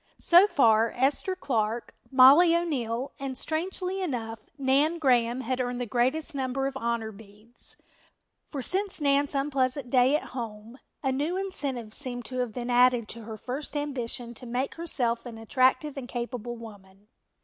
So far Esther Clark, Mollie O'Neill and, strangely enough, Nan Graham, had earned the greatest number of honor beads, for since Nan's unpleasant day at home a new incentive seemed to have been added to her first ambition to make herself an attractive and capable woman.